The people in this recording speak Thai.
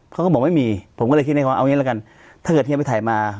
เขาก็บอกไม่มีผมก็เลยคิดในความเอางี้ละกันถ้าเกิดเฮียไปถ่ายมา